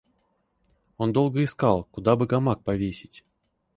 Он долго искал, куда бы гамак повесить.